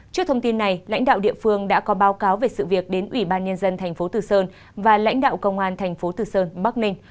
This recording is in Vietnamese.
trước thông tin này lãnh đạo địa phương đã có báo cáo về sự việc đến ủy ban nhân dân tp từ sơn và lãnh đạo công an tp từ sơn bắc ninh